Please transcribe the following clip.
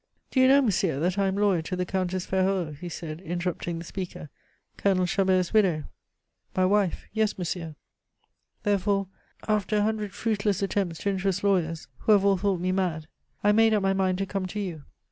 "Do you know, monsieur, that I am lawyer to the Countess Ferraud," he said, interrupting the speaker, "Colonel Chabert's widow?" "My wife yes monsieur. Therefore, after a hundred fruitless attempts to interest lawyers, who have all thought me mad, I made up my mind to come to you.